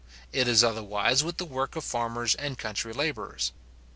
It is otherwise with the work of farmers and country labourers.